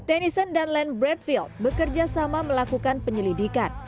tennyson dan dallon bradfield bekerja sama melakukan penyelidikan